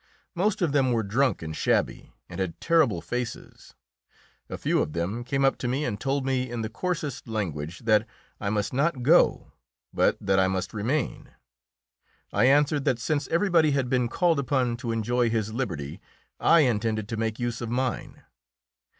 Most of them were drunk and shabby, and had terrible faces. A few of them came up to me and told me in the coarsest language that I must not go, but that I must remain. I answered that since everybody had been called upon to enjoy his liberty, I intended to make use of mine.